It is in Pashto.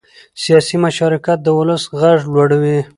سیاسي مشارکت د ولس غږ لوړوي